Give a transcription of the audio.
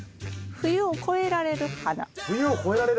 冬を越えられる花。